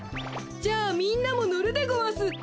じゃあみんなものるでごわす。